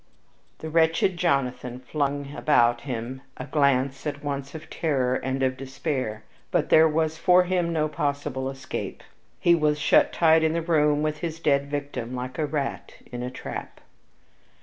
The wretched Jonathan flung about him a glance at once of terror and of despair, but there was for him no possible escape. He was shut tight in the room with his dead victim, like a rat in a trap.